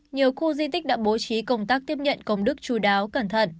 nhiều khu di tích đã bố trí công tác tiếp nhận công đức chú đáo cẩn thận